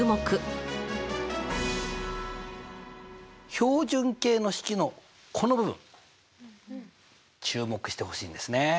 標準形の式のこの部分注目してほしいんですね。